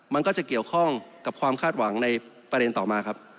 มันก็จะเกี่ยวข้องกับความคาดหวังในประเด็นต่อมาครับ